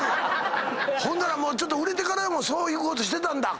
ほんならちょっと売れてからもそういうことしてたんだ？